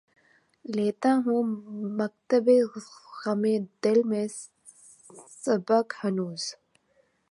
لیتا ہوں مکتبِ غمِ دل میں سبق ہنوز